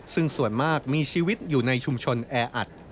ซึ่งส่วนมากมีชีวิตอยู่ในชุมชนแออัด